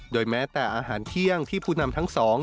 แม้แต่อาหารเที่ยงที่ผู้นำทั้งสอง